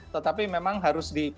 tetapi memang harus di